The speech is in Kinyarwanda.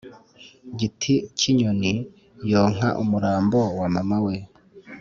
Gitikinyoni yonka umurambo wa Mama we